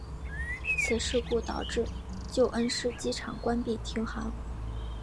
此事故导致旧恩施机场关闭停航。